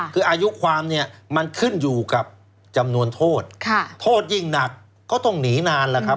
คืออายุความเนี่ยมันขึ้นอยู่กับจำนวนโทษโทษโทษยิ่งหนักก็ต้องหนีนานแล้วครับ